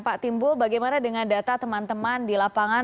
pak timbul bagaimana dengan data teman teman di lapangan